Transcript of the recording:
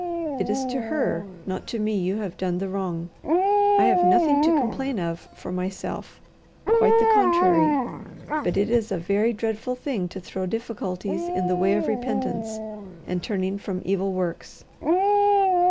It is to her, not to me, you have done the wrong. I have nothing to complain of for myself quite the contrary. But it is a very dreadful thing to throw difficulties in the way of repentance and turning from evil works."